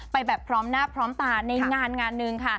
ไปแบบพร้อมหน้าพร้อมตาในงานงานหนึ่งค่ะ